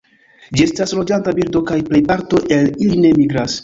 Ĝi estas loĝanta birdo kaj plej parto el ili ne migras.